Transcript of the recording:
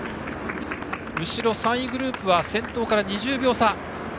後ろ３位グループは先頭から２０秒差。